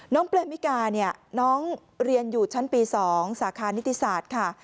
เปลมิกาเนี่ยน้องเรียนอยู่ชั้นปี๒สาขานิติศาสตร์ค่ะ